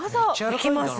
行きます。